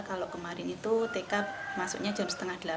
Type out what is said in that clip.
kalau kemarin itu tk masuknya jam setengah delapan